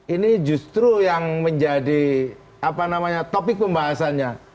ini justru yang menjadi topik pembahasannya